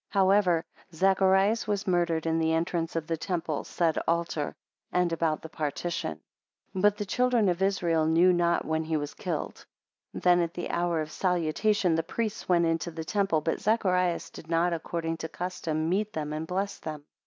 16 However Zacharias was murdered in the entrance of the temple said altar, and about the partition; 17 But the children of Israel knew not when he want killed. 18 Then at the hour of salutation the priests went into the temple but Zacharias did not according to custom, meet them and bless them.